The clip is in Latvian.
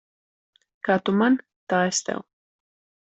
Kā tu man, tā es tev.